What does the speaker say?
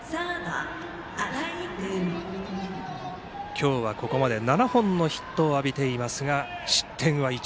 今日はここまで７本のヒットを浴びていますが失点は１。